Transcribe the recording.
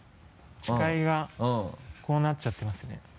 視界がこうなっちゃってますね。